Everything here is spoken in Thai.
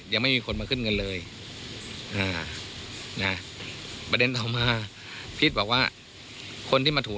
ยังไม่มีคนมาขึ้นเงินเลยอ่านะประเด็นต่อมาพีชบอกว่าคนที่มาถู